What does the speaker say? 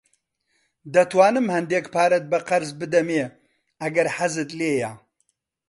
دەتوانم هەندێک پارەت بە قەرز بدەمێ ئەگەر حەزت لێیە.